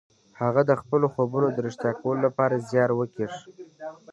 هغه د خپلو خوبونو د رښتيا کولو لپاره زيار وکيښ.